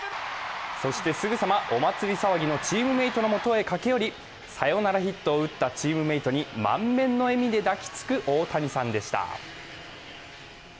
そしてすぐさまお祭騒ぎのチームメイトの元に駆け寄りサヨナラヒットを打ったチームメートに満面の笑みで抱きつく、大谷さんでした。